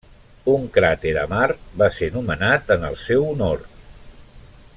Un cràter a Mart va ser nomenat en el seu honor.